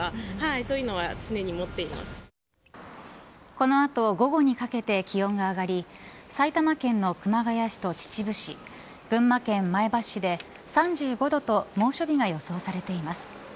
この後午後にかけて気温が上がり埼玉県の熊谷市、秩父市群馬県前橋市で３５度と猛暑日が予想されています。